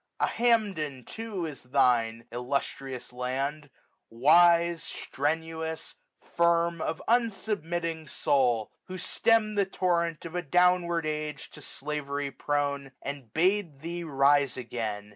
A Hamden too is thine, illustrious land ! Wise, strenuous, firm, of unsubmitting soul ; Who stem'd the torrent of a downward age 15 15 To slavery prone, and bade thee rise again.